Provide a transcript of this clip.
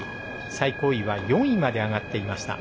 最高位は４位まで上がっていました。